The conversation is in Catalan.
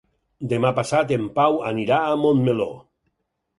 Demà passat en Pau anirà a Montmeló.